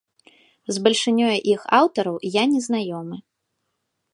З бальшынёю іх аўтараў я не знаёмы.